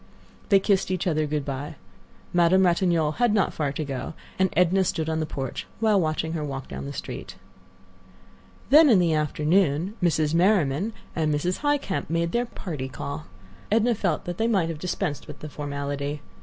They kissed each other good by. Madame Ratignolle had not far to go, and Edna stood on the porch a while watching her walk down the street. Then in the afternoon Mrs. Merriman and Mrs. Highcamp had made their "party call." Edna felt that they might have dispensed with the formality.